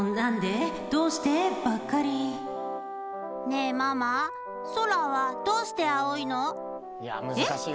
ねえママ空はどうして青いの？えっ？